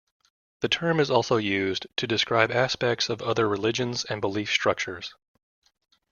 The term is also used to describe aspects of other religions and belief structures.